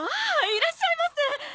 いらっしゃいませ。